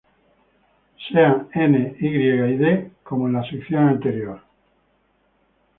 Sean "N", "Y" y "D" como en la sección anterior.